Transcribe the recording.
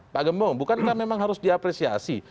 pak gembong bukan kita memang harus diapresiasi